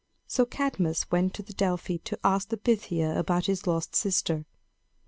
So Cadmus went to Delphi to ask the Pythia about his lost sister.